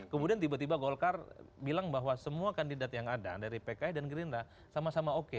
kemudian tiba tiba golkar bilang bahwa semua kandidat yang ada dari pks dan gerindra sama sama oke